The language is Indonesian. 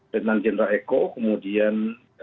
tetnan jenderal eko kemudian